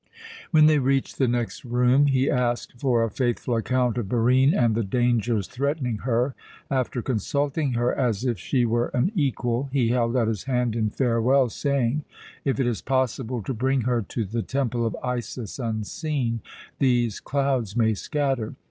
When they reached the next room he asked for a faithful account of Barine and the dangers threatening her. After consulting her as if she were an equal, he held out his hand in farewell, saying: "If it is possible to bring her to the Temple of Isis unseen, these clouds may scatter.